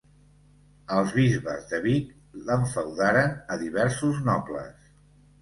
Els bisbes de Vic l'infeudaren a diversos nobles.